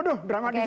waduh drama di sana